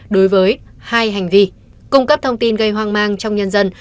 đối với hai hành vi cung cấp thông tin gây hoang mang trong nhân dân